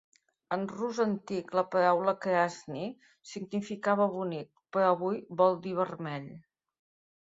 En rus antic, la paraula "krasny" significava "bonic", però avui vol dir "vermell".